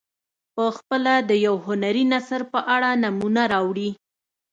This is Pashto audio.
پخپله د یو هنري نثر په اړه نمونه راوړي.